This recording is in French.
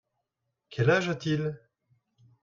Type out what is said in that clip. Quel âge a-t-il ?